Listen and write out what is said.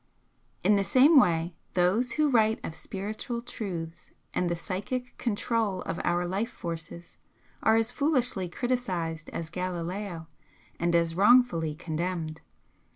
In the same way those who write of spiritual truths and the psychic control of our life forces are as foolishly criticised as Galileo, and as wrongfully condemned.